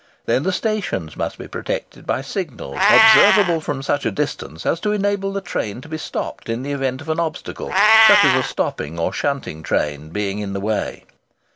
Then the stations must be protected by signals observable from such a distance as to enable the train to be stopped in event of an obstacle, such as a stopping or shunting train being in the way.